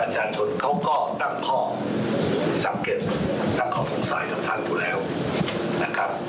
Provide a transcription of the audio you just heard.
ชาญชนเขาก็ตั้งข้อสังเกตตั้งข้อสงสัยกับท่านอยู่แล้วนะครับ